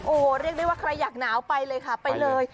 โอ้โหเรียกได้ว่าใครอยากหนาวไปเลยค่ะไปเลย